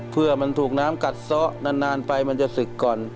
เพื่อมันถูกน้ำกัดซ้อนานไปมันจะศึกก่อน